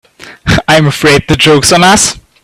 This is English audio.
I'm afraid the joke's on us.